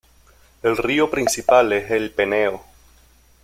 El río principal es el Peneo.